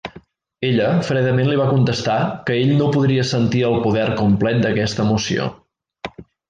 Ella fredament li va contestar que ell no podria sentir el poder complet d'aquesta emoció.